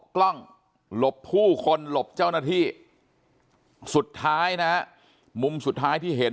กล้องหลบผู้คนหลบเจ้าหน้าที่สุดท้ายนะมุมสุดท้ายที่เห็น